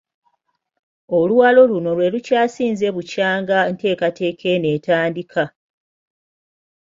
Oluwalo luno lwe lukyasinze bukyanga enteekateeka eno etandika.